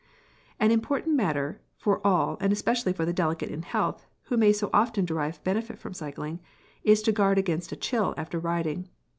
p> An important matter for all and especially for the delicate in health, who may so often derive benefit from cycling, is to guard against a chill after riding.